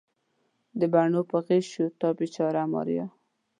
د بڼو په غشیو تا بیچاره ماریا